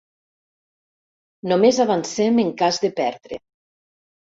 Només avancem en cas de perdre.